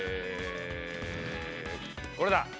これだ！